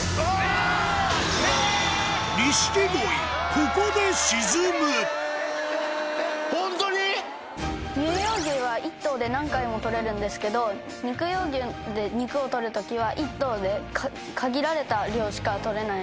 ここで沈む乳用牛は１頭で何回も取れるんですけど肉用牛で肉を取る時は１頭で限られた量しか取れない。